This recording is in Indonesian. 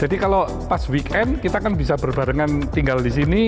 jadi kalau pas weekend kita kan bisa berbarengan tinggal di sini